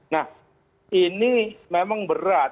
nah ini memang berat